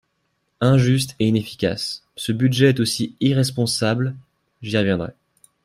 Injuste et inefficace, ce budget est aussi irresponsable, j’y reviendrai.